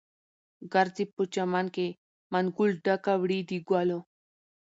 ګرځې په چمن کې، منګول ډکه وړې د ګلو